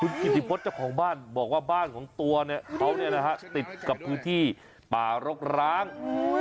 คุณกิจิพฤตเจ้าของบ้านบอกว่าบ้านของตัวเนี่ยเขาเนี่ยนะฮะติดกับพื้นที่ป่ารกร้างอุ้ย